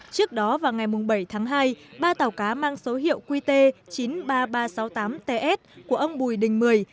trước đó vào ngày bảy tháng hai ba tàu cá mang số hiệu qt chín mươi ba nghìn ba trăm sáu mươi tám ts của ông bùi đình mười